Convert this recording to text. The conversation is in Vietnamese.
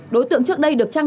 đối tượng trước đây được trách